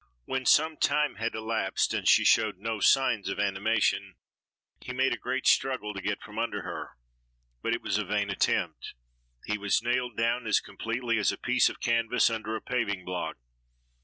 When some time had elapsed and she showed no signs of animation, he made a great struggle to get from under her; but it was a vain attempt, he was nailed down as completely as a piece of canvas under a paving block.